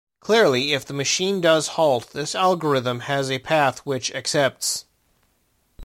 Clearly, if the machine does halt, this algorithm has a path which accepts.